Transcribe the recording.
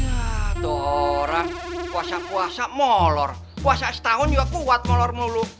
ya torak puasa puasa molor puasa setahun juga kuat molor mulu